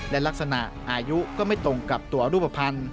และลักษณะอายุก็ไม่ตรงกับตัวรูปภัณฑ์